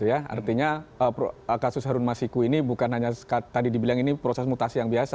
artinya kasus harun masiku ini bukan hanya proses mutasi yang biasa